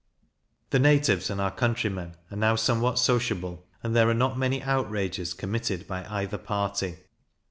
The natives and our countrymen are now somewhat sociable, and there are not many outrages committed by either party.